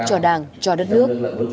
cho đảng cho đất nước